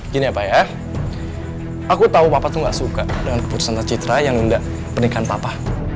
gini ya pak ya aku tahu papa tuh gak suka dengan keputusan atau citra yang enggak pernikahan papa